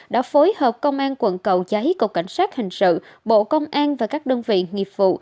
đã phối hợp công an quận cầu giấy cục cảnh sát hình sự bộ công an và các đơn vị nghiệp vụ